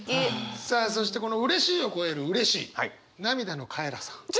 さあそしてこのうれしいを超えるうれしい涙のカエラさん